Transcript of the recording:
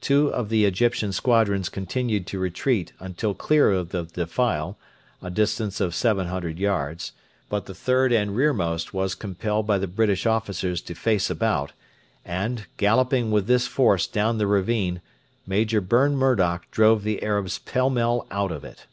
Two of the Egyptian squadrons continued to retreat until clear of the defile, a distance of 700 yards; but the third and rearmost was compelled by the British officers to face about, and, galloping with this force down the ravine, Major Burn Murdoch drove the Arabs pell mell out of it.